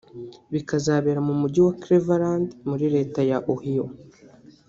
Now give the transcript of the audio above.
bikazabera mu Mujyi wa Cleveland muri Leta ya Ohio